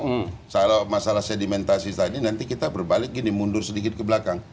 kalau masalah sedimentasi tadi nanti kita berbalik gini mundur sedikit ke belakang